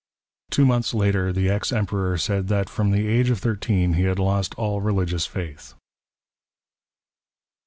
Two months later the ex Emperor said that from the age of thirteen he had lost all religious faith.